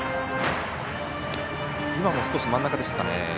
今も少し真ん中でしたね。